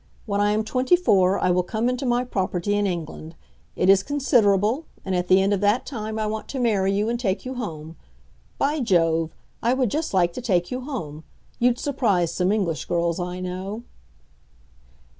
When I am twenty four, I will come into my property in England. It is considerable, and at the end of that time I want to marry you and take you home. By Jove! I would just like to take you home. You'd surprise some English girls I know."